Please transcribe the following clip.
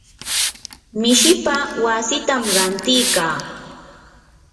mishipaa wasitam ranti kaa.